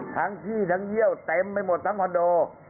ขี้ทั้งเยี่ยวเต็มไปหมดทั้งคอนโด